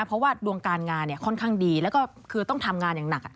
เพราะว่าดวงการงานค่อนข้างดีแล้วก็คือต้องทำงานอย่างหนัก